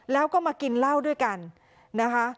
แล้วก็มากินเหล้าด้วยกันนะคะ